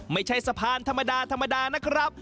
ไม่ใช่สะพานธรรมดานะครับ